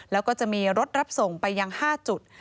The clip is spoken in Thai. แล้วก็จะมีรถรับส่งไปยัง๕จุด